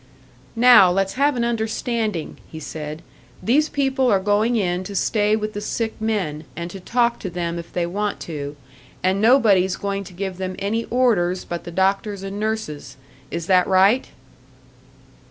"Now, let's have an understanding," he said. "These people are going in to stay with the sick men, and to talk to them if they want to, and nobody's going to give them any orders but the doctors and nurses. Is that right?"